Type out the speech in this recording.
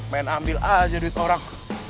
main ambil aja duit orang